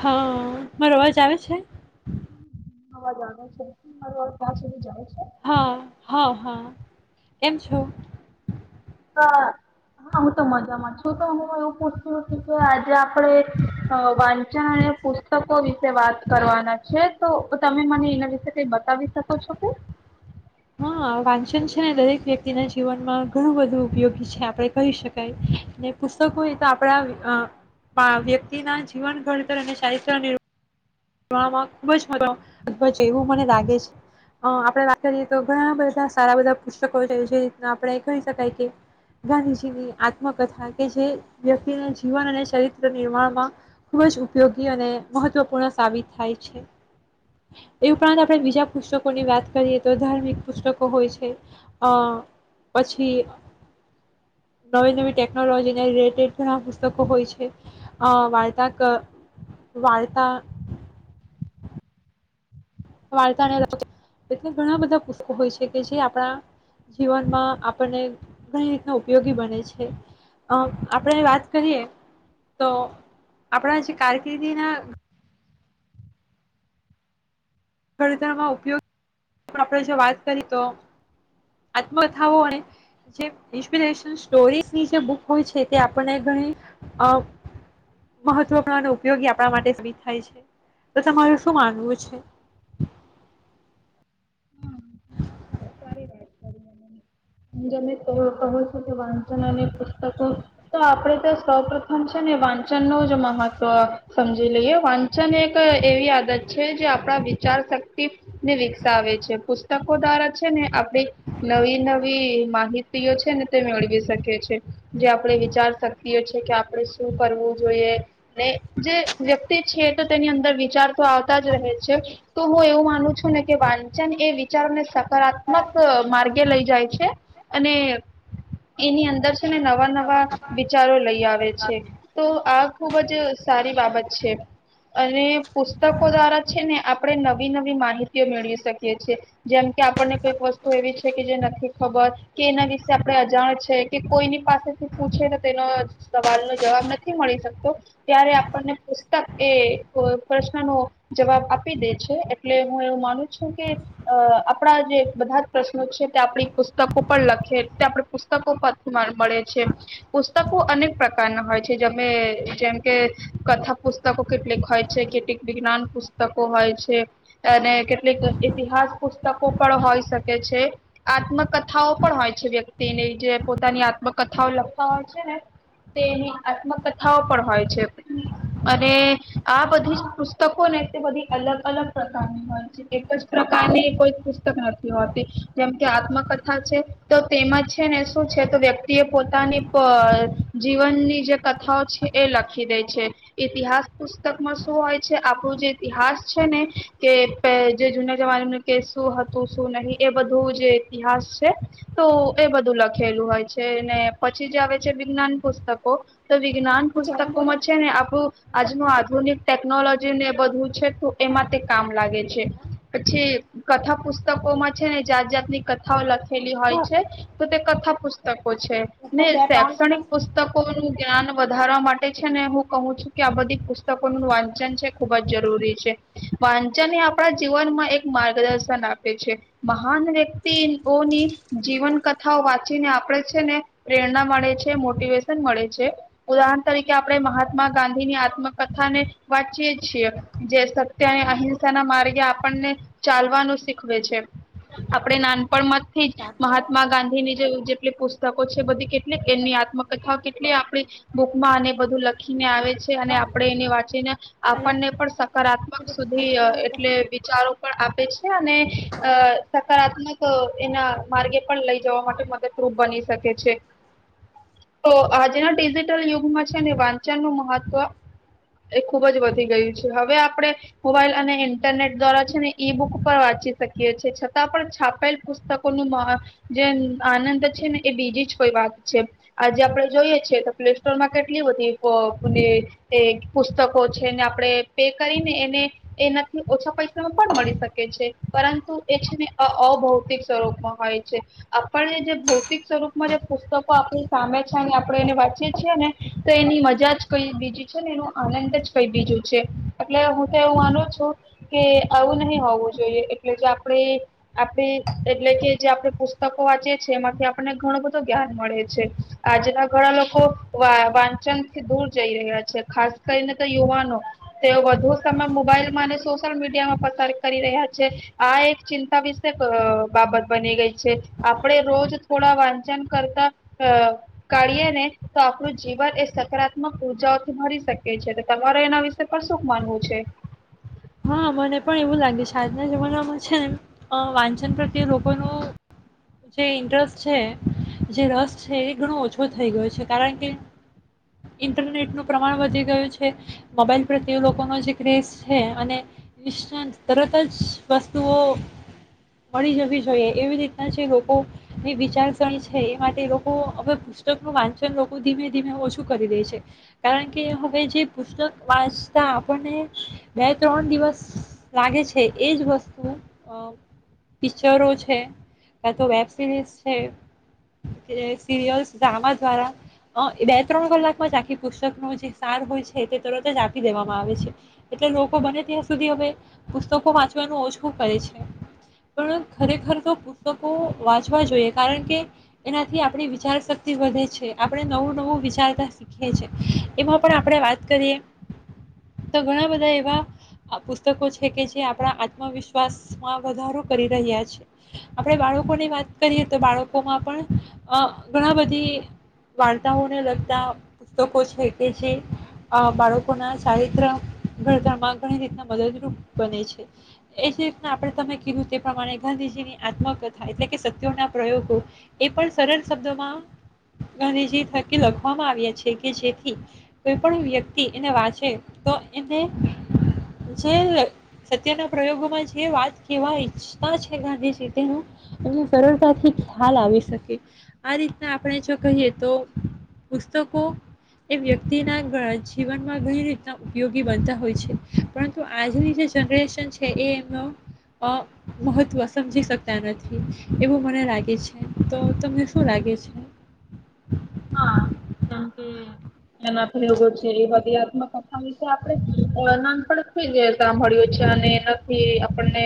હા મારો અવાજ આવે છે? અવાજ આવે છે, મારું ક્યાં સુધી જાય છે? હા હા હા કેમ છો? હા હું તો મજામાં છું તો હું એવું પૂછતી હતી કે આજે આપણે અ વાંચન અને પુસ્તકો વિશે વાત કરવાના છે તો તમે મને એના વિશે કઈ બતાવી શકો છો કે? હા વાંચન છે ને દરેક વ્યક્તિના જીવનમાં ઘણું બધું ઉપયોગી છે આપણે કહી શકાય ને પુસ્તકો એ તો આપણા વ્યક્તિના જીવન ઘડતર અને ચારીત્ર નીરમાણ ખૂબ જ મદદ એવું મને લાગે છે અ આપણે વાત કરીએ તો ઘણા બધા સારા બધા પુસ્તકો છે જે આપણે કહી શકાય કે ગાંધીજી ની આત્મકથા કે જે વ્યક્તિના જીવન અને ચરિત્ર નિર્માણમાં ખુબ જ ઉપયોગી અને મહત્વપૂર્ણ સાબીત થાય છે એ ઉપરાંત આપણે બીજા પુસ્તકોની વાત કરીએ તો ધાર્મિક પુસ્તકો હોય છે અ પછી નવી નવી ટેકનોલોજીને રિલેટેડ ઘણા પુસ્તકો હોય છે અ વાર્તા વાર્તા વાર્તાને એટલે ઘણા બધા પુસ્તકો હોય છે કે જે આપણા જીવનમાં આપણને ઘણી રીતના ઉપયોગી બને છે આપણે વાત કરીએ તો આપણા જે કારકિર્દીના ઘડતરમાં ઉપયોગ આપણે જો વાત કરી તો આત્મકથાઓ અને જે ઇન્સ્પિરેશન સ્ટોરીની જે બુક હોય છે તે આપણને ઘણી અ મહત્વપૂર્ણ અને ઉપયોગી આપણા માટે સાબીત થાય છે તો તમારું શું માનવું છે? સારી વાત કરી કહો છો કે વાંચન અને પુસ્તકો તો આપડે તો સૌ પ્ર્રથમ છે ને વાંચન વાચનનોજ મહત્વ સમજી લઈએ વાંચન એક એવી આદત છે જે આપણા વિચાર શક્તિ ને વિકસાવે છે. પુસ્તકો દ્વારા છે ને આપણે નવી નવી ની માહિતી છે ને તે મેળવી શકે છે જે આપણે વિચાર શક્તિઓ છે કે આપણે શું કરવું જોઈએ ને જે વ્યક્તિ છે તો તેની અંદર વિચાર તો આવતા જ રહે છે તો હું એવું માનું છું ને કે વાંચન એ વિચારોને સકારાત્મક માર્ગે લઈ જાય. છે, અને એની અંદર છે ને નવા નવા વિચારો લઈ આવે છે, તો આ ખુબ જ સારી બાબત છે અને પુસ્તકો દ્વારા છે ને આપણે નવી નવી માહિતીઓ મેળવી શકીએ છેએ જેમ કે આપણને કઈક વસ્તુ એવી છે કે જે ખબર કે એના વિશે આપણે અજાણ છે કે કોઈની પાસેથી પૂછે તો તેનો સવાલ નો જવાબ નથી મળી શકતો, ત્યારે આપણને પુસ્તક એ પ્રશ્નનો જવાબ આપી દે છે, એટલે હું એવું માનું છું કે અ આપણા જે બધા જ પ્રશ્નો છે તે આપણી પુસ્તકો પર લખે તે આપણે પુસ્તકો પથમાં મળે છે પુસ્તકો અનેક પ્રકારના હોય છે મે જેમ કે, કથા પુસ્તકો કેટલીક હોય છે, કેટલીક વિજ્ઞાન પુસ્તકો હોય છે અને કેટલીક ઇતિહાસ પુસ્તકો પણ હોય શકે છે આત્મ કથાઓ પણ હોય છે, વ્યક્તિની જે પોતાની આત્મકથાઓ લખતા હોય છે ને તેની આત્મકથાઓ પણ હોય છે અને આ બધી જ પુસ્તકો ને તે બધી અલગ અલગ પ્રકારની હોય છે એક જ પ્રકારની કોઈ પુસ્તક નથી હોતી, જેમ કે આત્મકથા હ છે તો તેમાં છે ને શું છે, તો વ્યક્તિ એ પોતાની પ જીવનની જે કથાઓ છે એ લખી દે છે ઈતિહાસ પુસ્તકમાં શું હોય છે, આપણું જે ઈતિહાસ છે ને કે જે જૂના જમાનાનું કે શું હતું શું નહિ એ બધું જે ઇતિહાસ તો એ બધું લખેલું હોય છે ને પછી જે આવે છે, વિજ્ઞાન પુસ્તકો તો વિજ્ઞાન પુસ્તકોમાં છે, ને આપણું આજનું આધુનિક ટેકનોલોજી ને એ બધું છે, તો એમાં તે કામ લાગે છે પછી કથા પુસ્તકો માં છે ને જાત જાતની કથાઓ લ લખેલી હોય છે તો તે કથા પુસ્તકો છે, ને શૈક્ષણિક પુસ્તકો નું જ્ઞાન વધારવા માટે છે, ને હું કહું છું, કે આ બધી પુસ્ત પુસ્તકોનું વાંચન છે, ખુબ જ જરૂરી છે વાંચન એ આપણા જીવનમાં એક માર્ગદર્શન આપે છે, મહાન વ્યક્તિ ની જીવન કથાઓ વાંચીને આપણેે છે ને પ્રેરણા મળે છે, મોટિવેશન મળે છે, ઉદાહરણ તરીકે આપણે મહાત્મા ગાંધી ની આત્મકથાને વાંચીય છીએ જે સત્ય અને અહિં ના માર્ગે આપણને ચાલવાનું શીખવે છે આપણે નાન પણ મત થી જ મહાત્મા ગાંધી ની જે જેટલી પુસ્ત તકો છે બધી કેટલી એની આત્મકથા કેટલી આપણી બુકમાં અને બધું લખીને આવે છે અને આપણે એને વાંચીને આપણને પણ સકારાત્મક સુધી અ એટલે વિચારો પણ આપે છે અને અ સકારાત્મક એના માર્ગે પણ લઈ જવા માટે મદદરૂપ બની શકે છે. તો આજના ડિજિટલ યુગમાં છે ને વાંચન નું મહત્વ એ ખુબ જ વધી ગયું છે હવે આપણે મોબાઈલ અને ઇન્ટરનેટ દ્વારા છે ને ઈ બુક પર વાંચી શકીએ છીએ છતાં પણ છાપ આપેલ પુસ્તકો ન જે આનંદ છે ને એ બીજી જ કોઈ વાત છે આજે આપણે જો ઈએ છેએ તો પ્લે સ્ટોર માં કેટલી બધી પ [unintelligible] એ પુસ્તકો છે ને આપણે પે કરીને એને એનાથી ઓછા પૈસામાં પણ મળી શકે છે, પરંતુ એ છેને અ અભૌતિક સ્વરૂપમાં હોય છે આપણે જે ભૌતિક સ્વરૂપમાં જે પુસ્તકો આપણી સામે છે અને આપણે એને વાંચીએ છીએ ને તો એની મજા જ કઈ બીજી છે ને એનો આનંદ જ કઈ બીજું છે એટલે હું તો એવું માનું છું કે આવું નહિ હોવું જોઈએ એટલે જે આપણે આપે એટલે કે જે આપણે પુસ્તકો વાંચી છીએ એમાંથી આપને ઘણું બધું જ્ઞાન મળે છે આજના ઘણા લોકો વા વાંચન થી દૂર જઈ રહ્યા છે ખાસ કરીને તો યુવાનો તેઓ વધુ સમય મોબાઈલ માં અને સોશિયલ મીડિયા માં પસાર કરી રહ્યા છે આ એક ચિંતા વિ બાબત બની ગઈ છે, આપણે રોજ થોડા વાંચન કરતા અ કાઢીએને તો આપણું જીવન એ સકારાત્મક ઉર્જાઓથી ભરી શકે છે તો તમારે એના વિશે પણ શું માનવું છે? હા મને પણ એવું લાગે છે આજના જમાનામાં છે ને અ વાંચન પ્રત્યે લોકોનો જે ઇન્ટરેસ્ટ છે જે રસ છે એ ઘણો ઓછો થઈ ગયો છે કારણ કે ઇન્ટરનેટનું પ્રમાણ વધી ગયું છે મોબાઈલ પ્રત્યે લોકોનો જે ક્રેઝ અને નિષ [inaudible] તરત જ વસ્તુઓ મળી જવી જોઈએ એવી રીતના જે લોકોની વિચારસરણી છે એ માટે લોકો હવે પુસ્તકનું વાંચન લોકો ધીમે ધીમે ઓછું કરી દે છે કારણ કે હવે જે પુસ્તક વાંચતા આપણને બે ત્રણ દિવસ લાગે છે એ જ વસ્તુ અ પિક્ચરો છે કા તો વેબ સિરીઝ છે કે સિરિયલ્સ ડ્રામા દ્વારા અ બે ત્રણ કલાકમાં જ આખી પુસ્તકનો જે સાર હોય છે તે તરત જ આપી દેવામાં આવે છે એટલે લોકો બને ત્યાં સુધી હવે પુસ્તકો વાંચવાનું ઓછું કરે છે પણ ખરેખર તો પુસ્તકો વાંચવા જોઈએ કારણ કે એનાથી આપણી વિચાર શક્તિ વધે છે આપણે નવું નવું વિચારતા શીખીએ છે એમાં પણ આપણે વાત કરીએ તો ઘણા બધા એવા પુસ્તકો છે કે જે આપણા આત્મવિશ્વાસમાં વધારો કરી રહ્યા છે આપણે બાળકોની વાત કરીએ તો બાળકોમાં પણ અ ઘણા બધી વાર્તાઓને લગતા પુસ્તકો છે કે જે અ બાળકોના ચારિત્ર ભણતરમાં ઘણી રીતના મદદરૂપ બને છે એ જે રીતના આપણે તમે કીધું તે પ્રમાણે ગાંધીજીની આત્મકથા એટલે કે સત્યોના પ્રયોગો એ પણ સરળ શબ્દોમાં ગાંધીજી થકી લખવામાં આવ્યા છે કે જેથી કોઈ પણ વ્યક્તિ એને વાંચે તો જે સત્યના પ્રયોગોમાં જે વાત કેવા ઈચ્છતા છે ગાંધીજી તેનું એમને સરળતાથી ખ્યાલ આવી શકે આ રીતના આપણે જો કહીએ તો પુસ્તકો એ વ્યક્તિના [unintelligible] જીવનમાં ગઈ રીતના યોગી બનતા હોય છે પરંતુ આજની જે જનરેશન છે એ એમનું મહત્વ સમજી શકતા નથી એવું મને લાગે છે તો તમને શું લાગે છે. હા કારણ કે એ ના આપેગ છે એ વા વધ- કથા આપનપથીઈ જ સાંભળ્યું છે અને એનાથી આપણને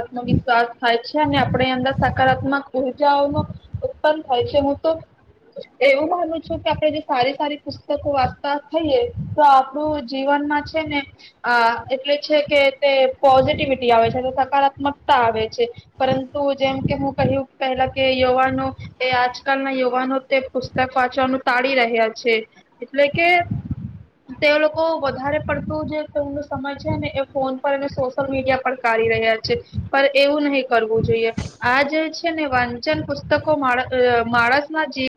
આત્મવિશ્વાસ થાય છે અને આપણે અંદર સકારાત્મક ઉર્જાઓ ન ઉત્પન્ન થાય છે હું તો- એવું માનું છું કે આપણે જે સારી સારી પુસ્તકો વાંચતા થઈએ તો આપણું જીવનમાં છે ને એટલે [unintelligible] [unintelligible] છે કે તે પોઝિટિવિટી આવે છે સકારાત્મકતા આવે છે પરંતુ જેમ કે હું કહ્યું પહેલા કે યુવાનો એ આજકાલના યુવાનો પુસ્તક વાચવાનું તાળી રહ્યા છે એટલે કે તે લોકો વધારે પડતું જે તેમનો સમય છે ને એ ફોન પર અને સોશિયલ મીડિયા પર કાઢી રહ્યા છે પણ એવું નહી કરવું જોઈએ આ જે છે ને વાંચન પુસ્તકો માણ માણસ ના જી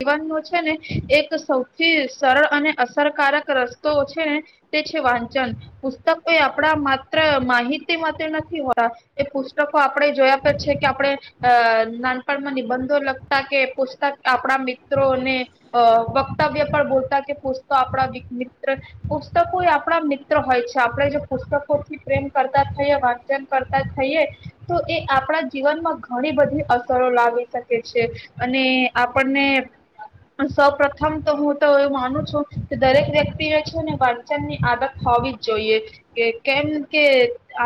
ને એક સૌથી સરળ અને અસરકારક રસ્તો છે ને તે છે વાંચન પુસ્તકો એ આપણા માત્ર માહિતી માટે નથી હો એ પુસ્તકો આપણે જોયા પ છે કે આપણે નાનપણમાં નિબંધો લગતા કે પુસ્તક આપણા- વક્તવ્ય પર બોલતા કે પુસ્તો આપણા મિત્ર પુસ્તકો એ આપણા મિત્ર હોય છે આપણે જો પુસ્તકોથી પ્રેમ કરતા થઈએ વાંચન કરતા થઈએ તો એ આપણા જીવનમાં ઘણી બધી અસરો લાવી શકે છે અને આપણને સૌ પ્રથમ તો હું તો એ માનું છું કે દરેક વ્યક્તિ વ છેને વાંચનની આદત હોવી જ જોઈએ કેમ કે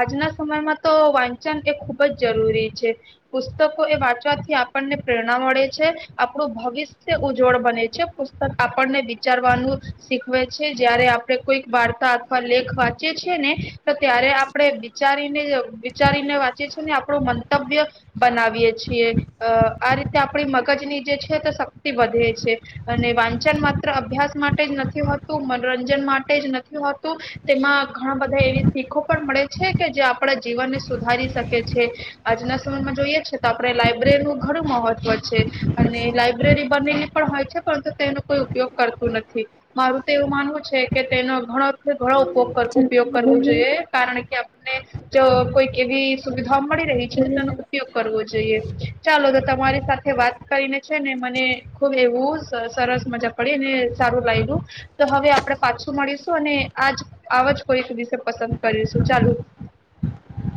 આજના સમયમાં તો વાંચન એ ખુબ જ જરૂરી છે પુસ્તકો એ વાંચવાથી આપણને પ્રેરણા મળે છે આપણું ભવિષ ઉજ્જવળ બને છે. પુસ્તક આપણને વિચારવાનું શીખવે છે. જયારે આપડે કોઈક વાર્તા અથવા લેખ વાંચીએ છીએને તો ત્યારે આપડે વિચારીને વિચારીને વાંચીએ છીએ ને આપણું મંતવ્ય બનાવીએ છીએ અ આ રીતે આપણી મગજની જે છે તે સ વધે છે અને વાંચન માત્ર અભ્યાસ માટે જ નથી હોતું, મનોરંજન માટે જ નથી હોતું, તેમાં ઘણા બધા એવી શીખો પણ મળે છે કે જે આપણા જીવનને સુધારી શકે છે આજના સમયમાં જોઈએ છે તો આપણે લાયબ્રેરીનું ઘણું મહત્વ છે અને લાયબ્રેરી. બનીને પણ હોય છે પરંતુ તેનો કોઈ ઉપયોગ કરતું નથી મારું તો એવું માનવું છે કે તેનો ઘણોથી ઘણો ચ [unintelligible] ઉપયોગ કરવો બોલો જોઈએ કારણ કે આપણે ને જો કોઈ એવી સુવિધ [unintelligible] મળી રહી છે તો તેનો ઉપયોગ કરવો જોઈએ. ચાલો તો તમારી સાથે તે વાત કરીને છે ને મને ખુબ એવું સર સરસ મજા પડી અને સારું લાયગું, તો હવે આપણેે પાછું મળીશું અને આજ આવાજ કોઈક વિશે પસંદ કરીશું ચાલુ.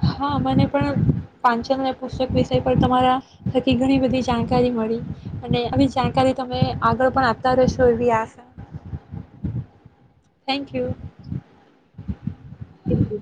હા મને પણ પાંચન અને પુસ્તક વિષય પર તમારા થકી ઘણી બધી જાણકારી મળી અને આવી જાણકારી તમે આગળ પણ આપતા રહેશો એવી આશા થેન્ક યુ. Thank you.